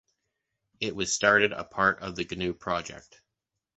It was started a part of the GNU project.